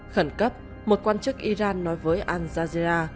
khẩn cấp một quan chức iran nói với al jazera